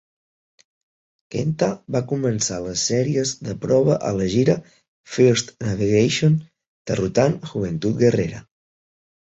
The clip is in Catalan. Kenta va començar les sèries de prova a la gira "First Navigation", derrotant Juventud Guerrera.